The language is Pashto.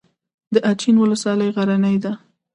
د اچین ولسوالۍ غرنۍ ده